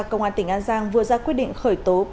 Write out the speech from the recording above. công an tỉnh an giang vừa ra quyết định khởi tố